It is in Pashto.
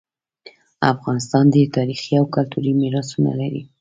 افغانستان ډیر تاریخي او کلتوری میراثونه لري